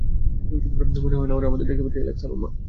মনে হয় না ওরা আমাদের দেখতে পাচ্ছে, অ্যালেক্স আর ওর মা।